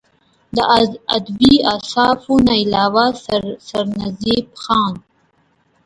د ادبي اوصافو نه علاوه سرنزېب خان